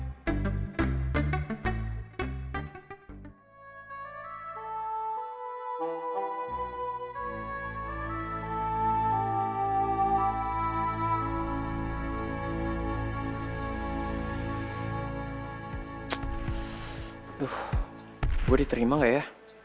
aduh gue diterima nggak ya